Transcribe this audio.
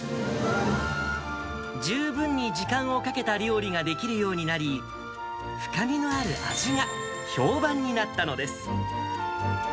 十分に時間をかけた料理ができるようになり、深みのある味が評判になったのです。